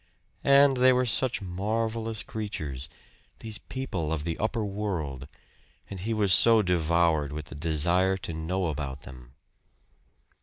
And they were such marvelous creatures these people of the upper world and he was so devoured with the desire to know about them.